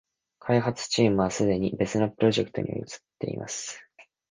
開発チームはすでに別のプロジェクトに移ってます